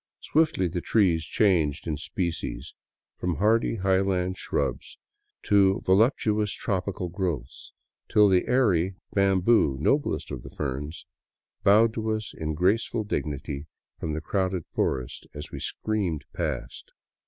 Swiftly the trees changed in species, — from hardy highland shrubs to voluptuous tropical growths, till the airy bamboo, noblest of ferns, bowed to us in graceful dignity from the crowded forest as we screamed past.